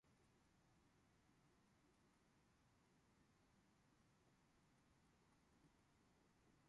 The hindwings are whitish with darker venation.